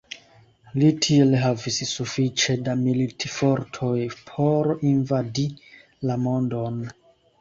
Li tiel havis sufiĉe da militfortoj por invadi la mondon.